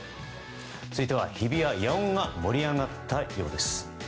続いては、日比谷野音は盛り上がったようです。